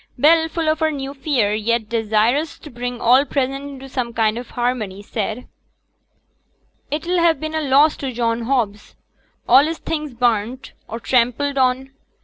Bell, full of her new fear, yet desirous to bring all present into some kind of harmony, said, 'It'll ha' been a loss to John Hobbs all his things burnt, or trampled on.